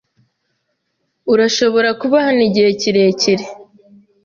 Urashobora kuba hano igihe kirekire.